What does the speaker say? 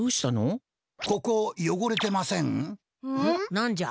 なんじゃ？